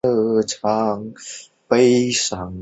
如今的明斋是清华大学社会科学学院的院馆。